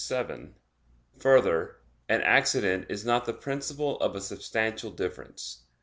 7: Further, an accident is not the principle of a substantial difference.